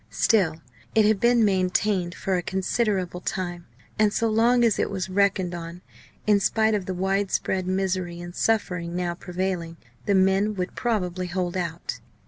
Still it had been maintained for a considerable time; and so long as it was reckoned on, in spite of the wide spread misery and suffering now prevailing, the men would probably hold out.